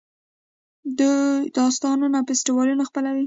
دوی داستانونه او فستیوالونه خپلوي.